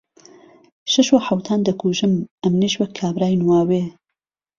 شهش و حهوتان دهکوژم ئهمنیش وهک کابرای نواوێ